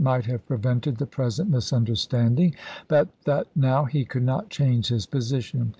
might have prevented the present misunderstand ing, but that now he could not change his position.